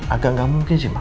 agak gak mungkin sih mah